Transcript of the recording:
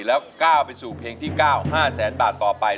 แล้วก้าวไปสู่เพลงที่๙๕แสนบาทต่อไป